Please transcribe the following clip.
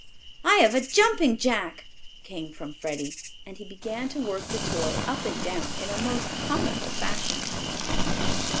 "I have a jumping jack!" came from Freddie, and he began to work the toy up and down in a most comical fashion.